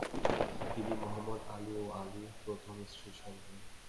তিনি Muhammad Ali ও আলির প্রথম স্ত্রীর সন্তান।